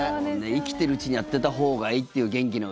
生きてるうちにやってたほうがいいっていう。